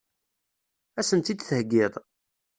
Ad sen-tt-id-theggiḍ?